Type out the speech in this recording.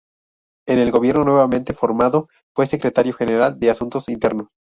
En el gobierno nuevamente formado, fue secretario general de Asuntos Internos.